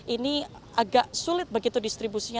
ini agak sulit begitu distribusinya